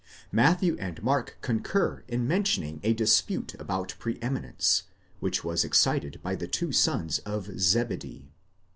Matthew and Mark concur in mentioning a dispute about pre eminence, which was excited by thetwo sons of Zebedee.